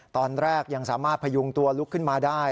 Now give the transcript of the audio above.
ตอนแรกยังสามารถพยุงตัวลุกขึ้นมาได้